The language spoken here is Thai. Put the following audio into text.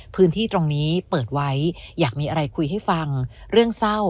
พื้นที่ตรงนี้เปิดไว้อยากมีอะไรคุยให้ฟังเรื่องเศร้า